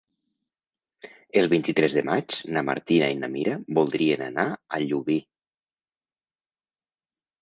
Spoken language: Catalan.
El vint-i-tres de maig na Martina i na Mira voldrien anar a Llubí.